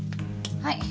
はい。